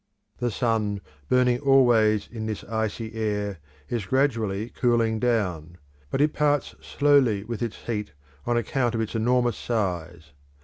The sun burning always in this icy air is gradually cooling down; but it parts slowly with its heat on account of its enormous size.